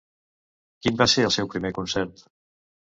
Quin va ser el seu primer concert?